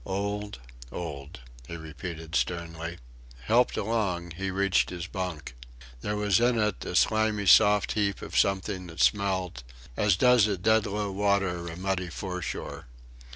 "Old! old!" he repeated sternly. Helped along, he reached his bunk. There was in it a slimy soft heap of something that smelt, as does at dead low water a muddy foreshore.